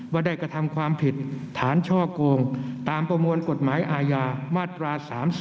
ว่าได้กระทำความผิดฐานช่อกงตามประมวลกฎหมายอาญามาตรา๓๔